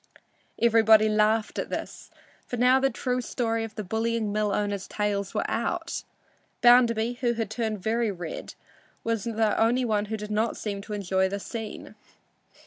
Everybody laughed at this, for now the true story of the bullying mill owner's tales was out. Bounderby, who had turned very red, was the only one who did not seem to enjoy the scene.